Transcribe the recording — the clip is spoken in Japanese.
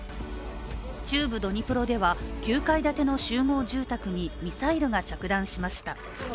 中部ドニプロでは９階建ての集合住宅にミサイルが着弾しました。